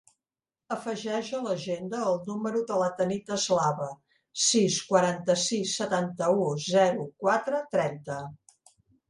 Afegeix a l'agenda el número de la Tanit Eslava: sis, quaranta-sis, setanta-u, zero, quatre, trenta.